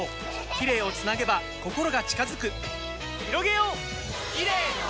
キレイをつなげば心が近づくひろげようキレイの輪！